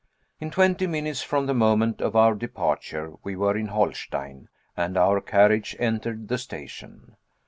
In twenty minutes from the moment of our departure we were in Holstein, and our carriage entered the station.